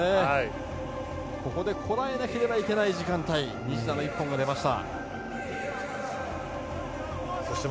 ここでこらえなければいけない時間帯西田の１本が出ました。